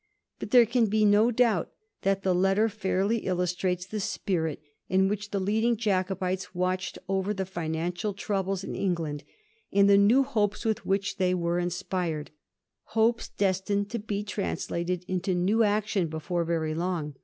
But there can be no doubt that the letter fairly illustoates the spirit in which the leading Jacobites watched over the financial troubles in England, and the new hopes with which they were inspired — ^hopes destined to be translated into new action before very long.